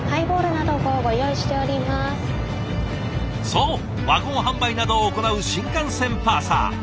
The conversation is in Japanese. そうワゴン販売などを行う新幹線パーサー。